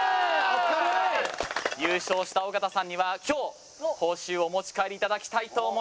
優勝した尾形さんには今日報酬をお持ち帰りいただきたいと思います。